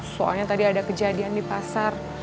soalnya tadi ada kejadian di pasar